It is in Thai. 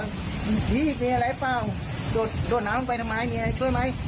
อื้อหิมีอะไรเปล่าด่วนน้ำลงไปทำไมมีอะไรช่วยไหม